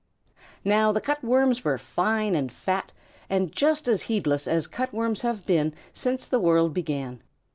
Now the Cut Worms were fine and fat and just as heedless as Cut Worms have been since the world began.